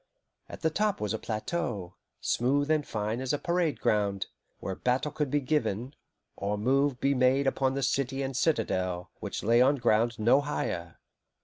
At the top was a plateau, smooth and fine as a parade ground, where battle could be given, or move be made upon the city and citadel, which lay on ground no higher.